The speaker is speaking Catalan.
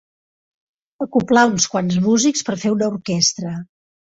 Acoblar uns quants músics per fer una orquestra.